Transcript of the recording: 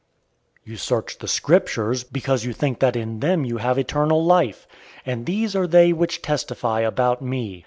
005:039 "You search the Scriptures, because you think that in them you have eternal life; and these are they which testify about me.